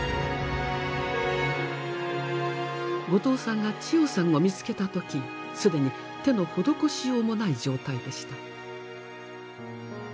後藤さんがチヨさんを見つけた時既に手の施しようもない状態でした。